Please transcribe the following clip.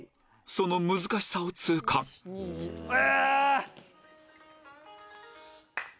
その難しさを痛感あ！